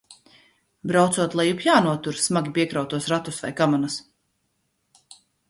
Braucot lejup jānotur smagi piekrautos ratus, vai kamanas.